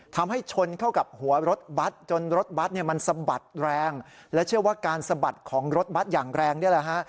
ทำให้ชนเข้ากับหัวรถบัตรจนรถบัตรเนี่ยมันสะบัดแรงและเชื่อว่าการสะบัดของรถบัตรอย่างแรงนี่แหละฮะ